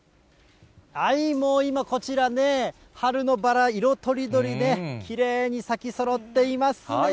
もう今、こちらね、春のバラ、色とりどりできれいに咲きそろっていますね。